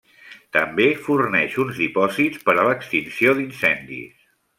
També forneix uns dipòsits per a l'extinció d'incendis.